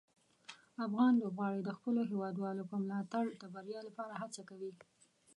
افغان لوبغاړي د خپلو هیوادوالو په ملاتړ د بریا لپاره هڅه کوي.